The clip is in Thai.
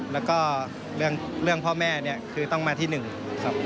แล้วก็เรื่องพ่อแม่เนี่ยคือต้องมาที่๑ครับ